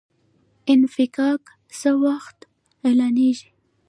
انفکاک څه وخت اعلانیږي؟